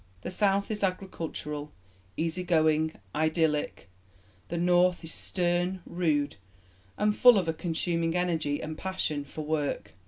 The South is agricultural, easy going, idyllic; the North is stern, rude, and full of a consuming energy and passion for work.